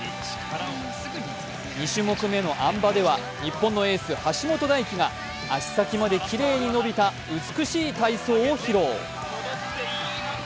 ２種目めのあん馬では日本のエース・橋本大輝が足先まできれいに伸びた美しい体操を披露。